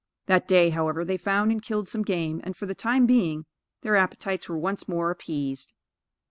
That day, however, they found and killed some game, and for the time being, their appetites were once more appeased.